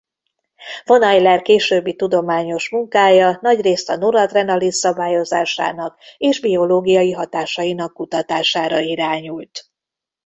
Von Euler későbbi tudományos munkája nagyrészt a noradrenalin szabályozásának és biológiai hatásainak kutatására irányult.